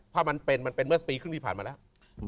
ภาพมันเป็นเมื่อปีครึ่งที่ผ่านมาแล้ว